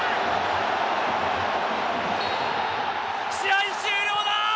試合終了だ！